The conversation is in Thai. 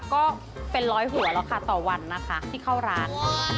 ก็เป็นร้อยหัวแล้วค่ะต่อวันนะคะที่เข้าร้าน